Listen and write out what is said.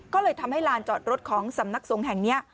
ก็เลยทำให้ลานจอดรถของสำนักสงฆ์แห่งนี้